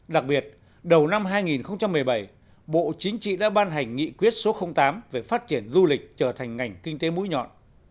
đặc biệt đầu năm hai nghìn một mươi bảy bộ chính trị đã ban hành nghị quyết số tám về phát triển du lịch trở thành ngành kinh tế mũi nhọn